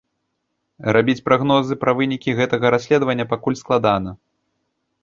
Рабіць прагнозы пра вынікі гэтага расследавання пакуль складана.